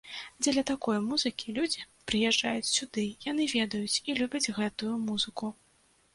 Дзеля такой музыкі людзі прыязджаюць сюды, яны ведаюць і любяць гэтую музыку.